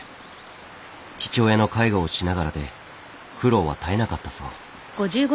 父親の介護をしながらで苦労は絶えなかったそう。